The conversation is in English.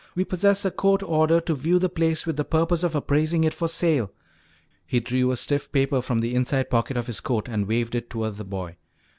"We possess a court order to view the place with the purpose of appraising it for sale." He drew a stiff paper from the inside pocket of his coat and waved it toward the boy.